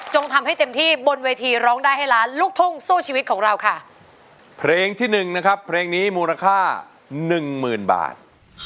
ทำให้เต็มที่บนเวทีร้องได้ให้ล้านลูกทุ่งสู้ชีวิตของเราค่ะเพลงที่หนึ่งนะครับเพลงนี้มูลค่าหนึ่งหมื่นบาท